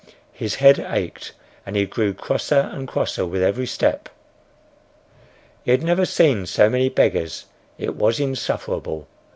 His head ached, and he grew crosser and crosser with every step. He had never seen so many beggars. It was insufferable.